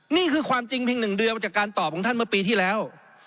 นี่คือความจริงเพียง๑เดือนจากการตอบของท่านเมื่อปีที่แล้ว